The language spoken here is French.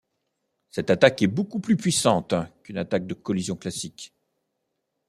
Cette attaque est beaucoup plus puissante qu’une attaque de collisions classique.